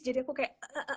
jadi aku kayak